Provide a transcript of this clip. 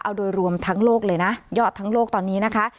เอาโดยรวมทั้งโลกเลยนะยอดทั้งโลกตอนนี้นะคะ